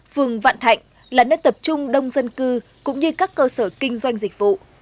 phường vạn thạnh là nơi tập trung đông dân cư cũng như các cơ sở kinh doanh dịch vụ